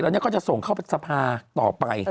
เรานี้ก็จะส่งเข้ามาสรรพาต่อไป